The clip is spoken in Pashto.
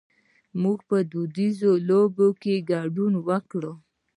مونږ په دودیزو لوبو کې ګډون وکړ.